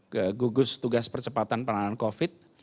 ketua tugas percepatan peranan covid